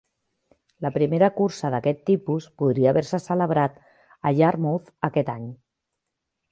La primera cursa d'aquest tipus podria haver-se celebrat a Yarmouth aquell any.